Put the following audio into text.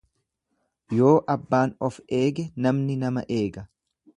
Yoo abbaan of eege namni nama eega.